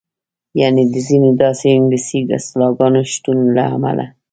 یعنې د ځینو داسې انګلیسي اصطلاحګانو د شتون له امله.